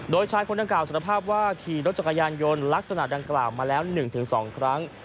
โดยชายคนดังกล่าสารภาพว่าขี่รถจักรยานยนต์ลักษณะดังกล่าวมาแล้ว๑๒ครั้ง